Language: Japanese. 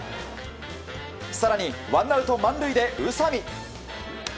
更にワンアウト満塁で宇佐見。